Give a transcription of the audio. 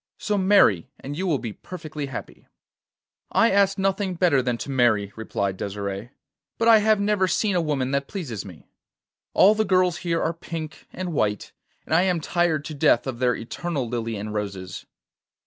So marry, and you will be perfectly happy.' 'I ask nothing better than to marry,' replied Desire, 'but I have never seen a woman that pleases me. All the girls here are pink and white, and I am tired to death of their eternal lilie and roses.